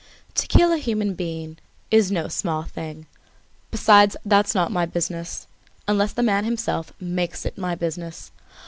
To kill a human being is no small thing. Besides, that's not my business, unless the man himself makes it my business.